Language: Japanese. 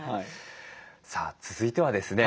さあ続いてはですね